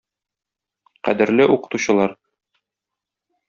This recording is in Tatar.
Кадерле укытучылар!